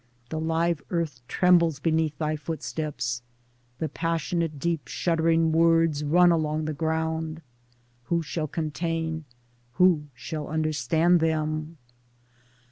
the live Earth trembles beneath thy footsteps ; Towards Democracy 13 the passionate deep shuddering words run along the ground : who shall contain, who shall understand them